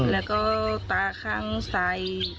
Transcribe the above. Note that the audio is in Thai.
แล้วก็ฆ่าข้างสาย